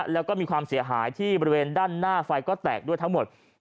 แล้วก็มีความเสียหายที่บริเวณด้านหน้าไฟก็แตกด้วยทั้งหมด